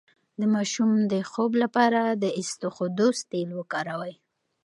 د ماشوم د خوب لپاره د اسطوخودوس تېل وکاروئ